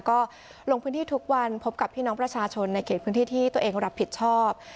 ก็ลงพื้นที่ทุกวันพบกับพี่น้องประชาชนในเขตพื้นที่ที่ตัวเองรับผิดชอบ